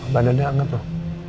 bantunya anget loh